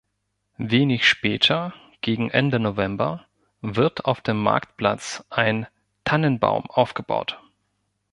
Wenig später, gegen Ende November, wird auf dem Marktplatz ein Tannenbaum aufgebaut.